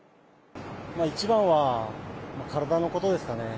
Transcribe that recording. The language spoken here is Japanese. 一番は体のことですかね。